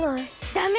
ダメ！